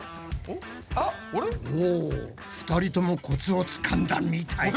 お２人ともコツをつかんだみたい。